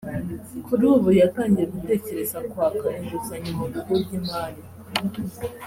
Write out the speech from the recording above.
kuri ubu yatangiye gutekereza kwaka inguzanyo mu bigo by’imari